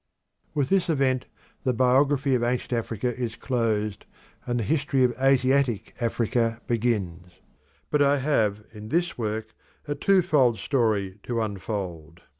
With this event the biography of ancient Africa is closed, and the history of Asiatic Africa begins. But I have in this work a twofold story to unfold.